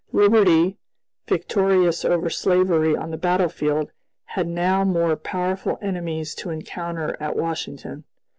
Liberty, victorious over slavery on the battlefield, had now more powerful enemies to encounter at Washington.